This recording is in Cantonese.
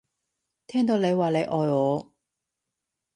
聽到你話你愛我